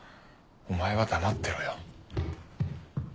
お前は黙ってろよ。